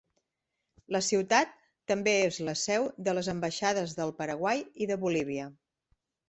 La ciutat també és la seu de les ambaixades del Paraguai i de Bolívia.